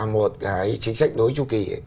một cái trí sách đối tru kỳ